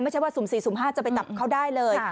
ไม่ใช่ว่าสุ่ม๔สุ่ม๕จะไปจับเขาได้เลย